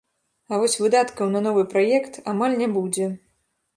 А вось выдаткаў на новы праект амаль не будзе.